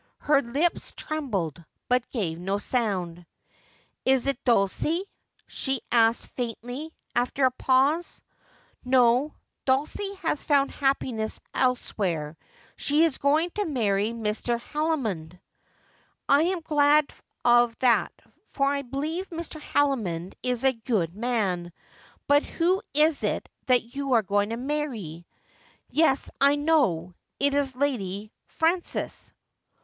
Her lips trembled, but gave no sound. ' Is it Dulcie '?' she asked faintly, after a pause. ' No, Dulcie has found happiness elsewhere. She is going to marry Mr. Haldimond.' ' I am glad of that, for I believe Mr. Haldimond is a good man. But who is it that you are going to marry \ Yes, I know. It is Lady Frances.'